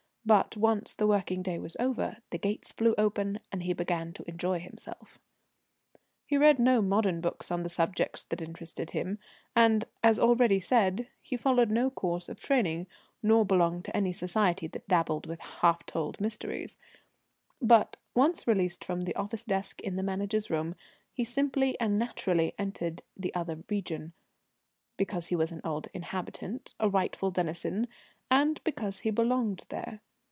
But, once the working day was over, the gates flew open, and he began to enjoy himself. He read no modern books on the subjects that interested him, and, as already said, he followed no course of training, nor belonged to any society that dabbled with half told mysteries; but, once released from the office desk in the Manager's room, he simply and naturally entered the other region, because he was an old inhabitant, a rightful denizen, and because he belonged there.